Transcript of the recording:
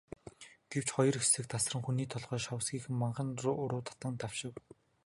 Гэвч хоёр хэсэг тасран, хүний толгой шовсхийсэн манхан руу таран давшив.